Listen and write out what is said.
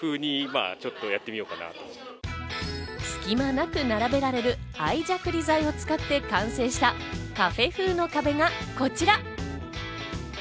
隙間なく並べられる、相ジャクリ材を使って完成したカフェ風の壁がこちら。